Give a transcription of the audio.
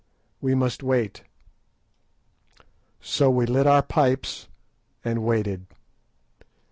We must wait." So we lit our pipes and waited.